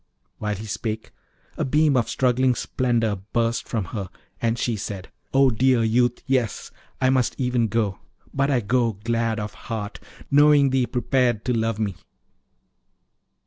While he spake, a beam of struggling splendour burst from her, and she said, 'O thou dear youth, yes! I must even go. But I go glad of heart, knowing thee prepared to love me.